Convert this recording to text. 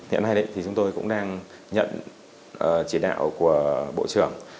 hiện nay thì chúng tôi cũng đang nhận chỉ đạo của bộ trưởng